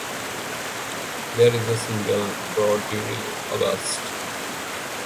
There is a second brood during August.